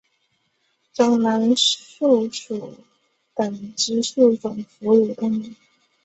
中南树鼠属等之数种哺乳动物。